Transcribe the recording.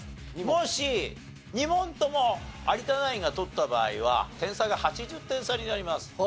もし２問とも有田ナインが取った場合は点差が８０点差になります。